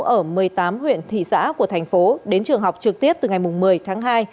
ở một mươi tám huyện thị xã của thành phố đến trường học trực tiếp từ ngày một mươi tháng hai